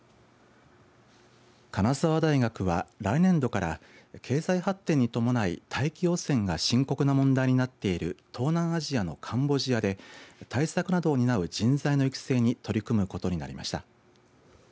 金沢大学は、来年度から経済発展に伴い大気汚染が深刻な問題になっている東南アジアのカンボジアで対策などを担う人材の育成に取り組むことになりました。